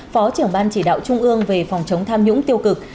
phó trưởng ban chỉ đạo trung ương về phòng chống tham nhũng tiêu cực